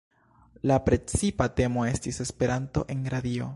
La precipa temo estis "Esperanto en radio".